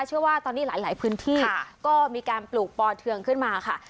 เชื่อว่าตอนนี้หลายพื้นที่ก็มีการปลูกปอเทืองขึ้นมาค่ะ